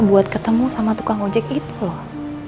buat ketemu sama tukang ojek itu loh